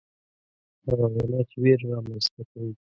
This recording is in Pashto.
هغه وینا چې ویره رامنځته کوي.